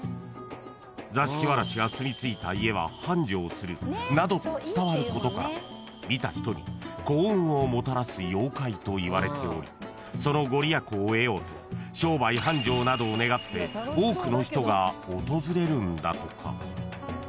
［座敷わらしがすみついた家は繁盛するなどと伝わることから見た人に幸運をもたらす妖怪といわれておりその御利益を得ようと商売繁盛などを願って多くの人が訪れるのだとか］